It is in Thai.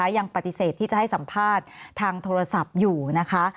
ยังปฏิเสธที่จะให้สัมภาษณ์ทางโทรศัพท์อยู่นะคะ